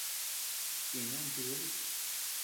Chínu ama chidúbi.